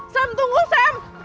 sam tunggu sam